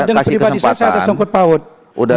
dengan pribadi saya saya ada sanggup tahu